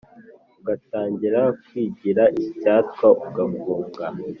Ugatangira kwigiraIcyatwa ugafunga;